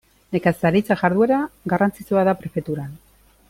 Nekazaritza jarduera garrantzitsua da prefeturan.